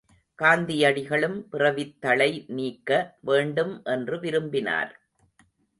காந்தியடிகளும் பிறவித்தளை நீங்க வேண்டும் என்று விரும்பினார்.